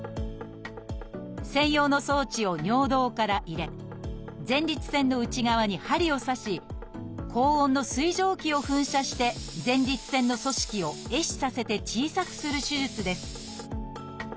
専用の装置を尿道から入れ前立腺の内側に針を刺し高温の水蒸気を噴射して前立腺の組織を壊死させて小さくする手術です。